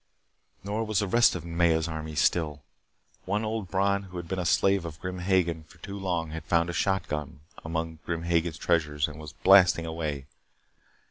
Nor was the rest of Maya's army still. One old Bron who had been a slave of Grim Hagen for too long had found a shotgun among Hagen's treasures and was blasting away.